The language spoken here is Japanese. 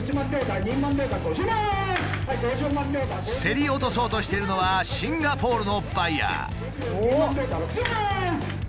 競り落とそうとしているのはシンガポールのバイヤー。